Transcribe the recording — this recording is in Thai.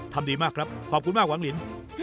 ดีมากครับขอบคุณมากหวังลิน